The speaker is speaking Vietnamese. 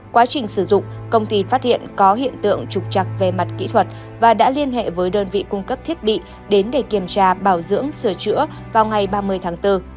quá trình sử dụng công ty phát hiện có hiện tượng trục chặt về mặt kỹ thuật và đã liên hệ với đơn vị cung cấp thiết bị đến để kiểm tra bảo dưỡng sửa chữa vào ngày ba mươi tháng bốn